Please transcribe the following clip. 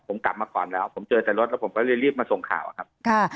ผมกลับมาก่อนแล้วผมเจอแต่รถแล้วผมก็เลยรีบมาส่งข่าวครับ